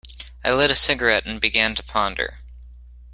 I lit a cigarette and began to ponder.